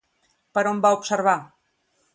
Per on va observar?